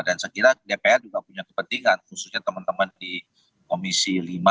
dan saya kira dpr juga punya kepentingan khususnya teman teman di komisi lima